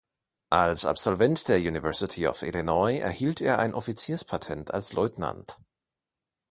Als Absolvent der University of Illinois erhielt er ein Offizierspatent als Leutnant.